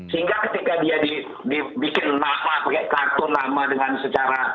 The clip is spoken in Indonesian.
sehingga ketika dia dibikin nama pakai kartu nama dengan secara